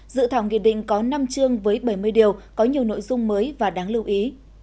dự thảo nghị định có năm chương với bảy mươi điều có nhiều nội dung mới và đáng lưu ý